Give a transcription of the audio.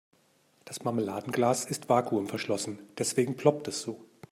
Das Marmeladenglas ist vakuumverschlossen, deswegen ploppt es so.